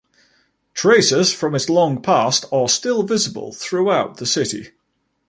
Traces from its long past are still visible throughout the city.